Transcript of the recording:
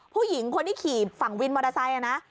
ผู้หญิงคนที่ขี่ฝั่งวินมอเตอร์ไซค์นะ